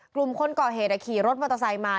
กลุ่มคนก่อเหตุขี่รถมอเตอร์ไซค์มา